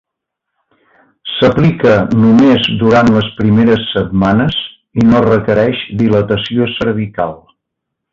S'aplica només durant les primeres setmanes i no requereix dilatació cervical.